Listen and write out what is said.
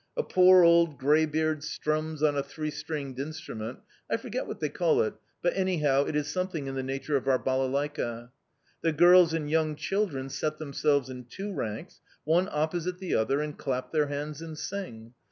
A poor, old greybeard strums on a three stringed instrument I forget what they call it, but anyhow, it is something in the nature of our balalaika. The girls and young children set themselves in two ranks, one opposite the other, and clap their hands and sing.